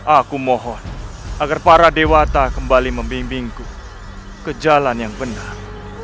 aku mohon agar para dewata kembali membimbingku ke jalan yang benar